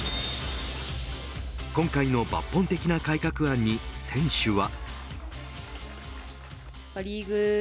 今回の抜本的な改革案に選手は。